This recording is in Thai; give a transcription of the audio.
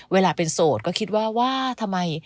เวลาเป็นโสดก็คิดว่าว่าทำไม